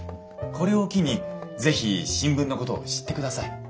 これを機に是非新聞のことを知ってください。